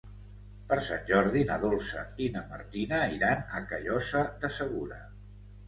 Per Sant Jordi na Dolça i na Martina iran a Callosa de Segura.